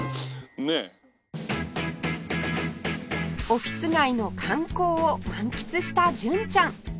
オフィス街の観光を満喫した純ちゃん